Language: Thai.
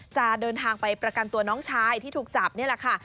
จะเดินทางไปประกันตัวน้องชายที่ถูกจับนี่แหละค่ะ